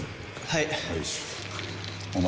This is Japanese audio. はい。